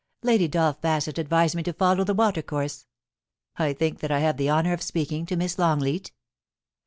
Lady Dolph Bassett advised me to follow the water course. I think that I have the honour of speaking to Miss Longleat